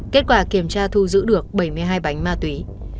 kết quả kiểm tra thu giữ được bảy mươi hai bánh ma túy